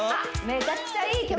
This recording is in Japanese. めちゃくちゃいい曲！